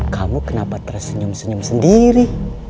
kamu kenapa tersenyum senyum sendiri